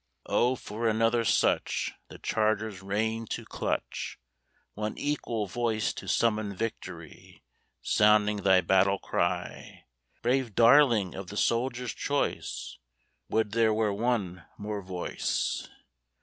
O for another such The charger's rein to clutch, One equal voice to summon victory, Sounding thy battle cry, Brave darling of the soldiers' choice! Would there were one more voice!